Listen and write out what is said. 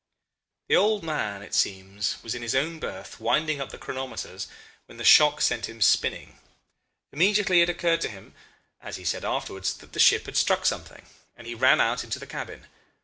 "The old chap, it seems, was in his own berth, winding up the chronometers, when the shock sent him spinning. Immediately it occurred to him as he said afterwards that the ship had struck something, and he ran out into the cabin.